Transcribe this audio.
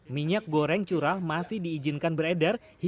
minyak goreng curah masih diizinkan beredar